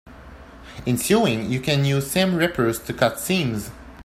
In sewing, you use seam rippers to cut seams.